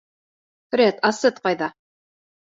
— Фред, Асет ҡайҙа?